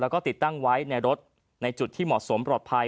แล้วก็ติดตั้งไว้ในรถในจุดที่เหมาะสมปลอดภัย